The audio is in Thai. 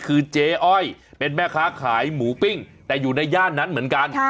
คือเจ๊อ้อยเป็นแม่ค้าขายหมูปิ้งแต่อยู่ในย่านนั้นเหมือนกัน